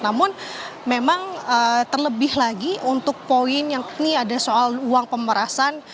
namun memang terlebih lagi untuk poin yang kini ada soal uang pemerasan